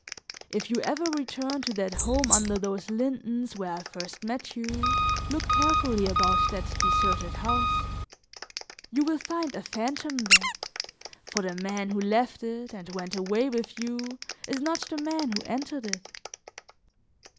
If you ever return to that home under whose lindens, where I first met you, look carefully about that deserted house; you will find a fantom there, for the man who left it, and went away with you, is not the man who entered it."